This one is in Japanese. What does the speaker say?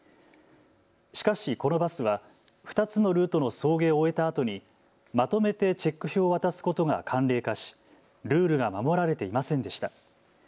しかしこのバスは２つのルートの送迎を終えたあとにまとめてチェック表を渡すことが慣例化しルールが守られていませんでした。